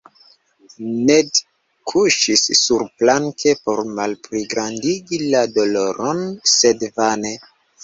Ned kuŝis surplanke por malpligrandigi la doloron, sed vane.